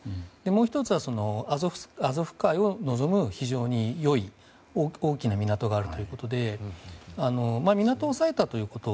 もう１つは、アゾフ海を望む非常に良い大きな港ということで港を抑えたということ